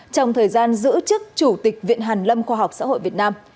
trong thời gian giữ chức chủ tịch viện hàn lâm khoa học xã hội việt nam